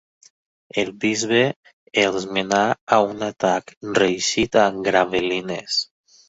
El bisbe els menà a un atac reeixit a Gravelines.